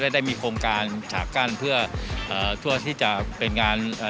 ได้มีโครงการฉากกั้นเพื่อเอ่อทั่วที่จะเป็นงานเอ่อ